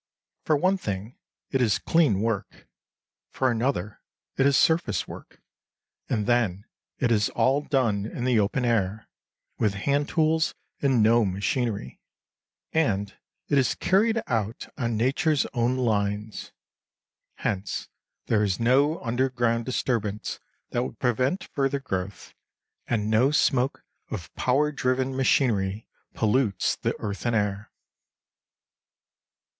For one thing, it is clean work; for another, it is surface work; and then it is all done in the open air, with hand tools and no machinery, and it is carried out on nature's own lines. Hence there is no underground disturbance that would prevent further growth, and no smoke of power driven machinery pollutes the earth and air.